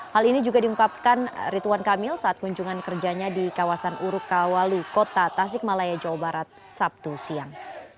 hal ini juga diungkapkan rituan kamil saat kunjungan kerjanya di kawasan urukawalu kota tasikmalaya jawa barat sabtu siang